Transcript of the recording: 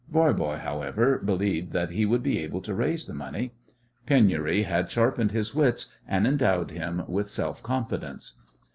Voirbo, however, believed that he would be able to raise the money. Penury had sharpened his wits and endowed him with self confidence.